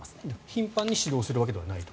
頻繁に指導するわけではないと。